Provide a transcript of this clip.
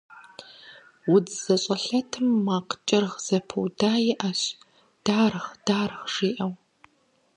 УдзщӀэлъэтым макъ кӀыргъ зэпыуда иӀэщ, «дарг-дарг», жиӀэу.